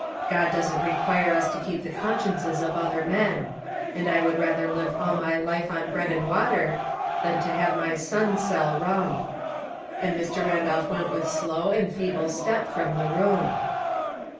God doesn't require us to keep the consciences of other men ; and I would rather live all my life on bread and water than to have my son sell rum," and Mr. Randolph went with slow and feeble step from the room.